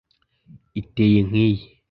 iteye nkiyi